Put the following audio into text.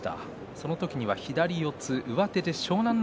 その時には左四つ上手で湘南乃